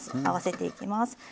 合わせていきます。